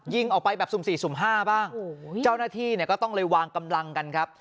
ยิงออกไปแบบสุ่มสี่สุ่มห้าบ้างโอ้โหเจ้าหน้าที่เนี่ยก็ต้องเลยวางกำลังกันครับ